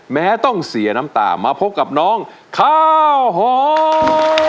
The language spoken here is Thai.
แม้ต้องเสียน้ำตามาพบกับน้องข้าวหอม